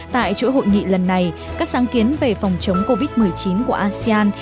tại chuỗi hội nghị lần này các sáng kiến về phòng chống covid một mươi chín của asean